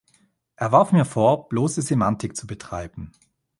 Er warf mir vor, bloße Semantik zu betreiben.